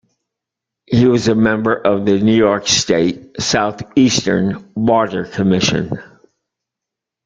He was a member of the New York State Southeastern Water Commission.